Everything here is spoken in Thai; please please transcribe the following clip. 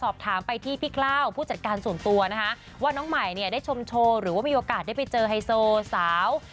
บ้างหรือเปล่า